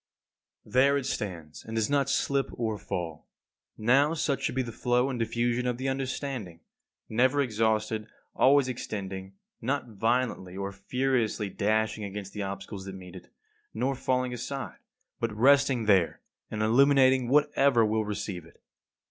There it stands and does not slip or fall. Now, such should be the flow and diffusion of the understanding; never exhausted, always extending; not violently or furiously dashing against the obstacles that meet it, nor falling aside, but resting there and illuminating whatever will receive it.